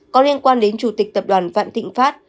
có liên quan đến chủ tịch tập đoàn vạn thịnh pháp